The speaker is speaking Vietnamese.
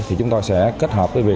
thì chúng tôi sẽ kết hợp với việc